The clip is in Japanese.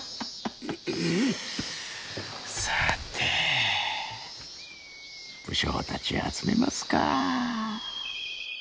さて武将たちを集めますか。